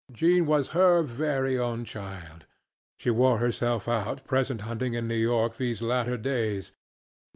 Jean was her very own childŌĆöshe wore herself out present hunting in New York these latter days.